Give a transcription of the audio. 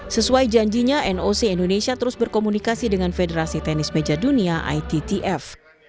sesuai janjinya noc indonesia terus berkomunikasi dengan federasi tenis meja dunia ittf